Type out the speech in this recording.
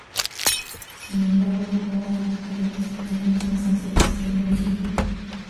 Sin embargo, ninguna de las variantes tiene la misma sencillez que el original.